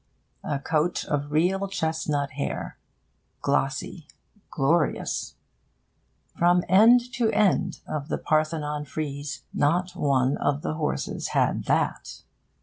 A coat of real chestnut hair, glossy, glorious! From end to end of the Parthenon frieze not one of the horses had that.